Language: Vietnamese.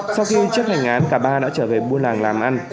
sau khi chấp hành án cả ba đã trở về buôn làng làm ăn